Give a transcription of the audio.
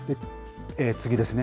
次ですね。